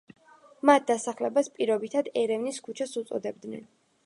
მათ დასახლებას პირობითად „ერევნის ქუჩას“ უწოდებდნენ.